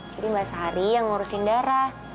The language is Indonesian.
jadi mbak sari yang ngurusin dara